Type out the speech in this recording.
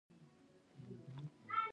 او نۀ د وينو سيلاب ،